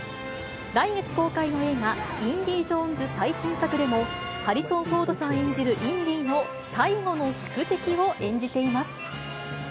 来月公開の映画、インディ・ジョーンズ最新作でも、ハリソン・フォードさん演じるインディの最後の宿敵を演じています。